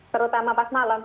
terutama pas malam